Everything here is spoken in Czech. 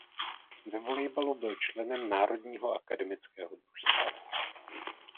Ve volejbalu byl členem národního akademického družstva.